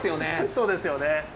そうですよね。